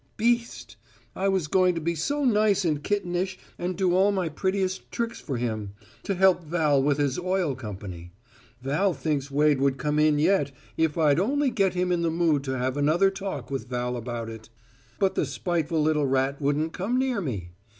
Beast! I was going to be so nice and kittenish and do all my prettiest tricks for him, to help Val with his oil company. Val thinks Wade would come in yet, if I'D only get him in the mood to have another talk with Val about it; but the spiteful little rat wouldn't come near me.